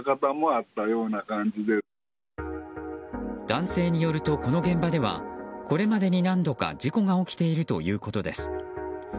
男性によると、この現場ではこれまでに何度か事故が起きているということです。